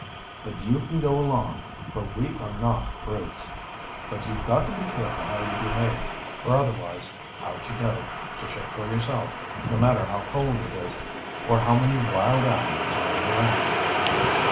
But you can go along, for we are not brutes. But you've got to be careful how you behave, or otherwise out you go, to shift for yourself, no matter how cold it is or how many wild animals are around."